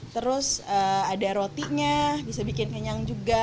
terus ada rotinya bisa bikin kenyang juga